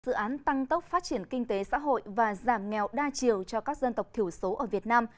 dự án tăng tốc phát triển kinh tế xã hội và giảm nghèo đa chiều cho các dân tộc thiểu số ở việt nam